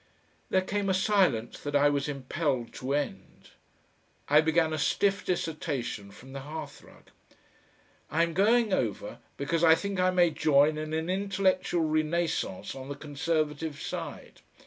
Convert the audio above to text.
There came a silence that I was impelled to end. I began a stiff dissertation from the hearthrug. "I am going over, because I think I may join in an intellectual renascence on the Conservative side.